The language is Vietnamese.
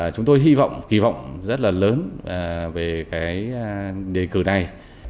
chúng tôi hy vọng kỳ vọng rất là lớn về cái đề cử này